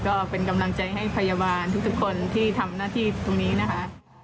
ก็เป็นกำลังใจให้พยาบาลทุกคนที่ทำหน้าที่ตรงนี้นะคะ